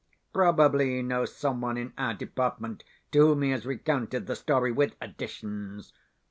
Probably he knows someone in our department to whom he has recounted the story with additions.